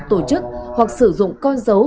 tổ chức hoặc sử dụng con dấu